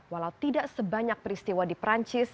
walau tidak sebanyak peristiwa di perancis